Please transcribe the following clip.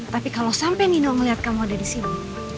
tapi kalau sampai nino melihat kamu ada disini